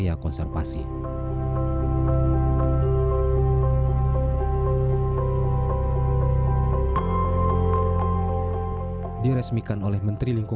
kandang jebak berisi umpan kambing disiapkan